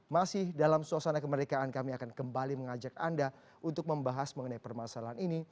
masih dalam suasana kemerdekaan kami akan kembali mengajak anda untuk membahas mengenai permasalahan ini